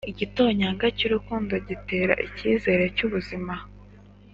" igitonyanga cy' urukundo gitera icyizere cy' ubuzima".